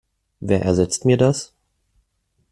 Wer ersetzt mir das?